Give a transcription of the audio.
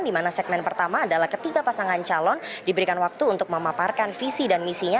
di mana segmen pertama adalah ketiga pasangan calon diberikan waktu untuk memaparkan visi dan misinya